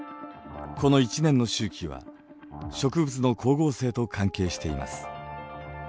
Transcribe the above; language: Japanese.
この１年の周期は植物の光合成と関係しています。